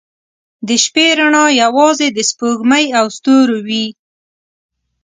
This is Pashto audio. • د شپې رڼا یوازې د سپوږمۍ او ستورو وي.